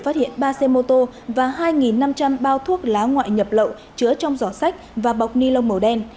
phát hiện ba xe mô tô và hai năm trăm linh bao thuốc lá ngoại nhập lậu chứa trong giỏ sách và bọc ni lông màu đen